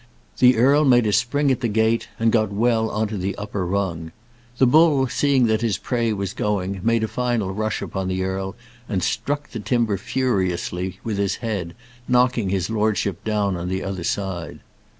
The earl made a spring at the gate, and got well on to the upper rung. The bull seeing that his prey was going, made a final rush upon the earl and struck the timber furiously with his head, knocking his lordship down on the other side.